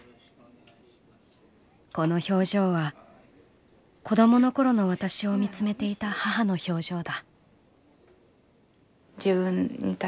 この表情は子供の頃の私を見つめていた母の表情だ」。